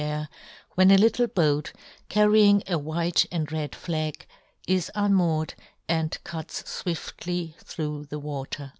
89 air, when a little boat, carrying a white and red flag, is unmoored and cuts fwiftly through the water.